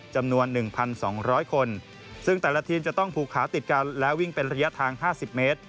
จำนวน๑๒๐๐คนซึ่งแต่ละทีมจะต้องผูกขาติดกันและวิ่งเป็นระยะทาง๕๐เมตร